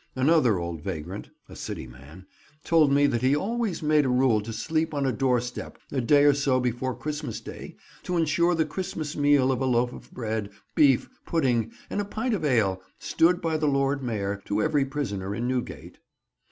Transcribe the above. Another old vagrant (a City man) told me that he always made it a rule to sleep on a doorstep a day or so before Christmas Day to insure the Christmas meal of a loaf of bread, beef, pudding, and a pint of ale, stood by the Lord Mayor to every prisoner in Newgate.